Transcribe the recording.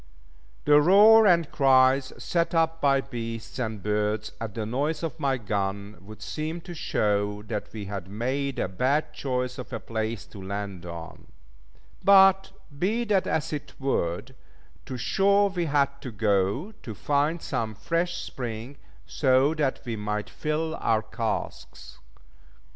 The roar and cries set up by beasts and birds at the noise of my gun would seem to show that we had made a bad choice of a place to land on; but be that as it would, to shore we had to go to find some fresh spring, so that we might fill our casks.